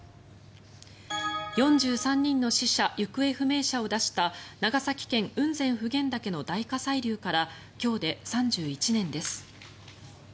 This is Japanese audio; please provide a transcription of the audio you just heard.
４３人の死者・行方不明者を出した長崎県、雲仙・普賢岳の大火砕流から今日で３１年です。